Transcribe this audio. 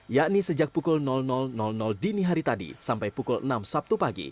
yakni sejak pukul dini hari tadi sampai pukul enam sabtu pagi